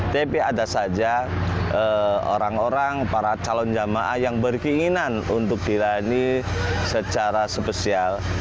tapi ada saja orang orang para calon jamaah yang berkeinginan untuk dilayani secara spesial